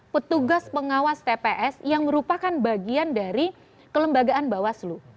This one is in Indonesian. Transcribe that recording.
petugas pengawas tps yang merupakan bagian dari kelembagaan bawaslu